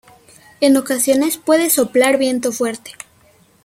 En ocasiones puede soplar viento fuerte.